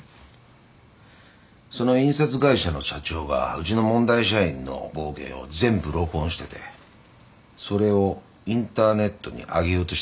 その印刷会社の社長がうちの問題社員の暴言を全部録音しててそれをインターネットに上げようとしてたんだ。